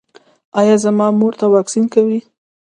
ایا زما مور ته واکسین کوئ؟